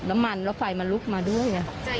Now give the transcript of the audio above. แล้วมันแล้วไฟมันลุกมาด้วยอ่ะ